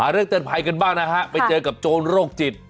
เรื่องเตือนภัยกันบ้างนะฮะไปเจอกับโจรโรคจิต